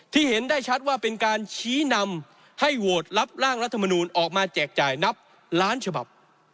เห็นได้ชัดว่าเป็นการชี้นำให้โหวตรับร่างรัฐมนูลออกมาแจกจ่ายนับล้านฉบับ